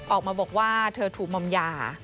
ออกมาบอกว่าเธอถูกมอมยา